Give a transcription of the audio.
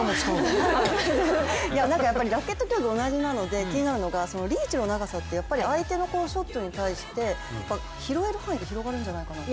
ラケット競技同じなので気になるのが、リーチの長さって相手のショットに対して拾える範囲って広がるんじゃないかなって。